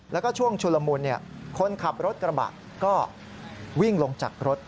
แล้วก็ช่วงชุลมุนคนขับรถกระบะก็วิ่งลงจากรถ